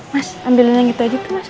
mas ambilin yang gitu aja tuh mas